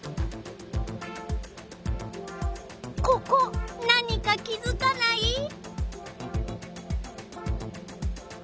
ここ何か気づかない？